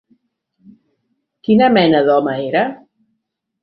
Quina mena d'home era?